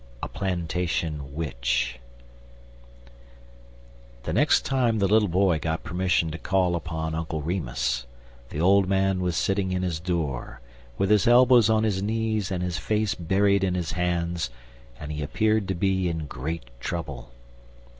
A PLANTATION WITCH The next time the little boy got permission to call upon Uncle Remus, the old man was sitting in his door, with his elbows on his knees and his face buried in his hands, and he appeared to be in great trouble.